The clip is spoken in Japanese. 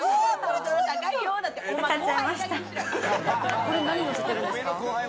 これ何のせてるんですか？